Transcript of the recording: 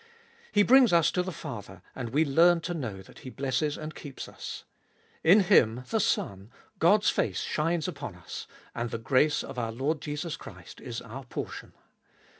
He brings us to the Father, and we learn to know that He blesses and keeps us. In Him, the Son, God's face shines upon us, and the grace of our Lord Jesus Christ is our portion.